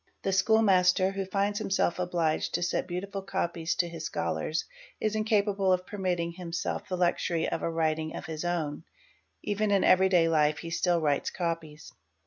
The school master, who finds himself obliged to set beautiful copies to his scholars, is incapable of permitting himself the wm Qos SE BE Xury of a writing of his own; even in everyday life he still writes = es.